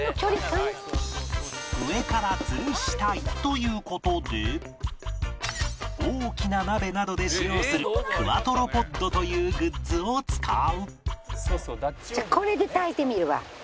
上から吊るしたいという事で大きな鍋などで使用するクワトロポッドというグッズを使う